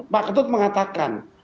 pak ketut mengatakan